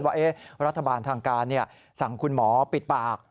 ว่ารัฐบาลทางการสั่งคุณหมอปิดปาก